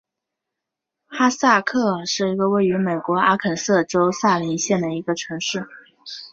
哈斯克尔是一个位于美国阿肯色州萨林县的城市。